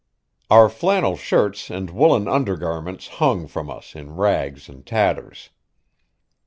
Our flannel shirts and woolen undergarments hung from us in rags and tatters.